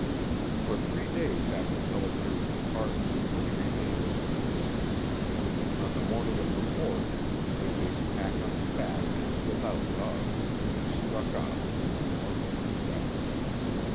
For three days after Pelliter's departure he remained at the post. On the morning of the fourth, with his pack on his back and without dogs, he struck off into the north and west.